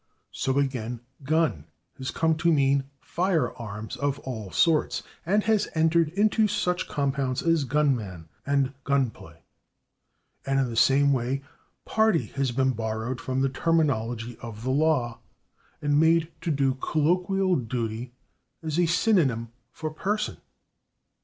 So, again, /gun/ has come to mean fire arms of all sorts, and has entered into such compounds as /gun man/ and /gun play/. And in the same way /party/ has been borrowed from the terminology of the law and made to do colloquial duty as a synonym for /person